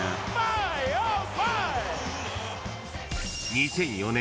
［２００４年